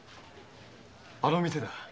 あの店だ。